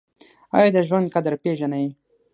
ایا د ژوند قدر پیژنئ؟